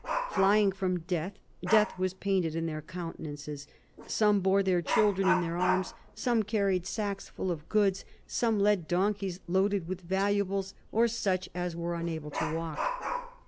Flying from death, death was painted in their countenances. Some bore their children in their arms; some carried sacks full of goods; some led donkeys loaded with valuables, or such as were unable to walk.